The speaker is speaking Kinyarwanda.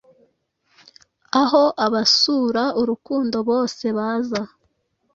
Aho abasura urukundo bose baza.